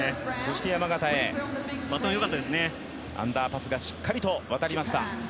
山縣へアンダーパスがしっかりと渡りました。